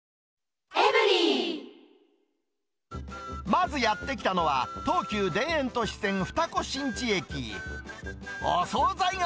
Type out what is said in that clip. まずやって来たのは、東急田園都市線二子新地駅。